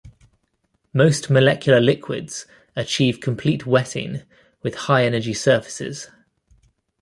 Most molecular liquids achieve complete wetting with high-energy surfaces.